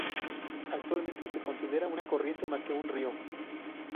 Actualmente se considera una corriente más que un río.